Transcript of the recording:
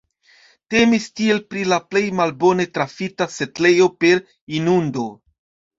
Temis tiel pri la plej malbone trafita setlejo per inundo.